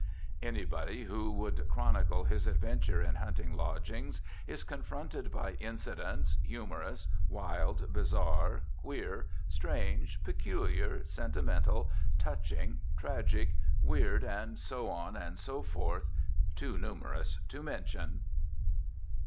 Anybody who would chronicle his adventures in hunting lodgings is confronted by incidents, humorous, wild, bizarre, queer, strange, peculiar, sentimental, touching, tragic, weird, and so on and so forth, "too numerous to mention."